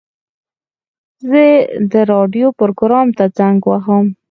زه د راډیو پروګرام ته زنګ وهم.